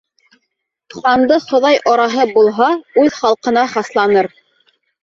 Ханды Хоҙай ораһы булһа, үҙ халҡына хасланыр